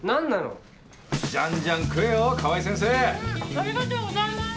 ありがとうございます！